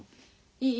いい？